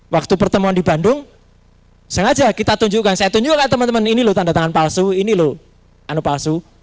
waktu pertemuan di bandung sengaja kita tunjukkan saya tunjukkan teman teman ini loh tanda tangan palsu ini loh anu palsu